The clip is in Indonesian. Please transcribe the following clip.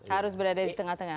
harus berada di tengah tengah